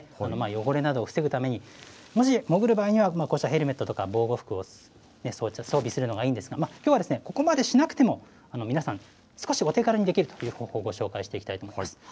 汚れなどを防ぐために、もし潜る場合には、こうしたヘルメットとか、防護服を装備するのがいいんですが、きょうはここまでしなくても、皆さん、少しお手軽にできるという方法をご紹介していきたいと思います。